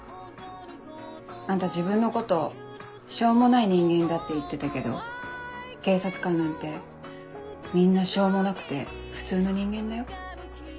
あんた自分のことしょうもない人間だって言ってたけど警察官なんてみんなしょうもなくて普通の人間だよ。